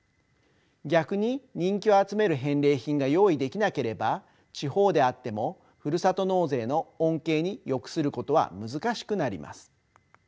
逆に人気を集める返礼品が用意できなければ地方であってもふるさと納税の恩恵に浴することは難しくなります。